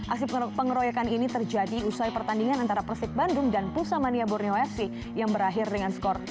aksi pengeroyokan ini terjadi usai pertandingan antara persib bandung dan pusamania borneo fc yang berakhir dengan skor tiga